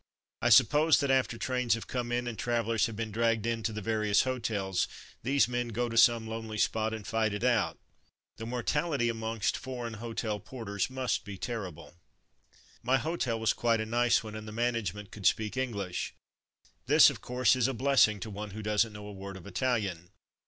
I suppose that after trains have come in and travellers have been 14 210 From Mud to Mufti dragged in to the various hotels, these men go to some lonely spot and fight it out. The mortality amongst foreign hotel porters must be terrible. My hotel was quite a nice one, and the management could speak English. This, of course, is a blessing to one who doesn't know a word of Italian.